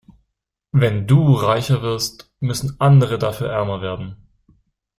Wenn du reicher wirst, müssen andere dafür ärmer werden.